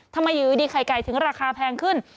ทำไมอยู่ดีไข่ไก่ถึงราคาแพงขึ้น